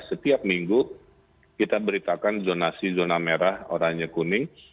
setiap minggu kita beritakan zonasi zona merah oranye kuning